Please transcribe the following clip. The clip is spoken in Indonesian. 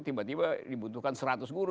tiba tiba dibutuhkan seratus guru